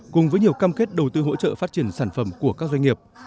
cùng với nhiều cam kết đầu tư hỗ trợ phát triển sản phẩm của các doanh nghiệp